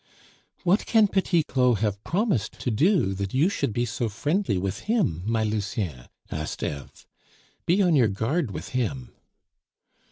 "What can Petit Claud have promised to do that you should be so friendly with him, my Lucien?" asked Eve. "Be on your guard with him."